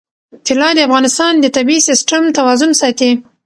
طلا د افغانستان د طبعي سیسټم توازن ساتي.